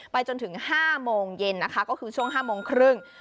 จนถึง๕โมงเย็นนะคะก็คือช่วง๕โมงครึ่ง